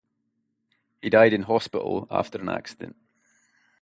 He died in hospital after an accident.